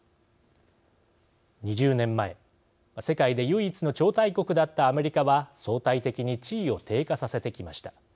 ２０年前、世界で唯一の超大国だったアメリカは相対的に地位を低下させてきました。